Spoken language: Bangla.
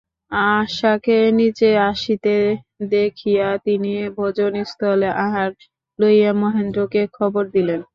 আশাকে নীচে আসিতে দেখিয়া তিনি ভোজনস্থলে আহার লইয়া মহেন্দ্রকে খবর দিলেন।